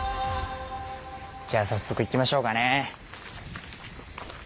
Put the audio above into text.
じゃあ早速行きましょうかね。